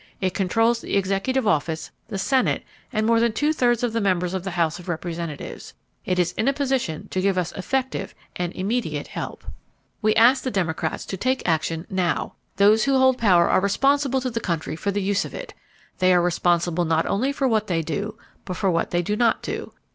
It controls the Executive Office, the Senate and more than two thirds of the members of the House of Representatives. It is in a position to give us effective and immediate help. "We ask the Democrats to take action now. Those who hold power are responsible to the country for the use of it. They are responsible not only for what they do, but for what they do not do.